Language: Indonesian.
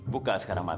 buka sekarang matanya